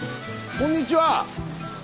こんにちは。